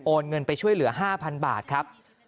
เงินไปช่วยเหลือ๕๐๐๐บาทครับ